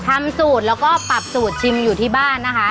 ทำสูตรแล้วก็ปรับสูตรชิมอยู่ที่บ้านนะคะ